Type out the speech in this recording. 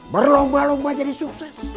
berlomba lomba jadi sukses